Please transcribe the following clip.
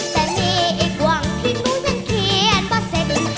แต่มีอีกหวังที่หนูยังเขียนประเสร็จ